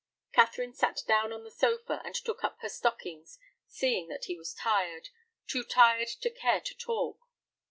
Catherine sat down on the sofa, and took up her stockings, seeing that he was tired, too tired to care to talk.